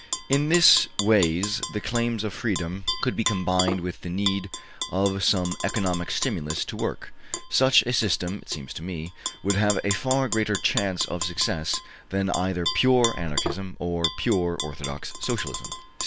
In this ways the claims of freedom could be combined with the need of some economic stimulus to work. Such a system, it seems to me, would have a far greater chance of success than either pure Anarchism or pure orthodox Socialism.